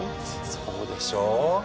そうでしょ！